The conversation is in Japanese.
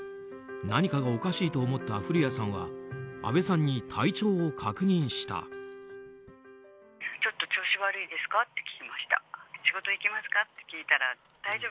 何かがおかしいと思った古家さんは、あべさんに体調を確認した。